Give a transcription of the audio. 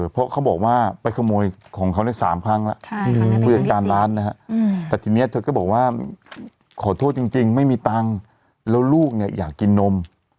เพราะเขาบอกว่าไปขโมยของเขาใน๓ครั้งแล้วผู้จัดการร้านนะฮะแต่ทีนี้เธอก็บอกว่าขอโทษจริงไม่มีตังค์แล้วลูกเนี่ยอยากกินนม